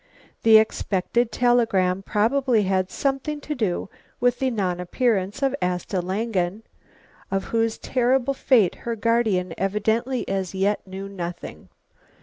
The expected telegram probably had something to do with the non appearance of Asta Langen, of whose terrible fate her guardian evidently as yet knew nothing.